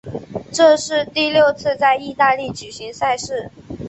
这是第六次在意大利举行赛事。